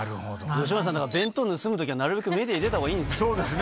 吉村さん、だから弁当盗むときは、なるべくメディアに出たほうがいいんですそうですね。